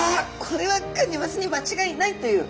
これはクニマスに間違いないという。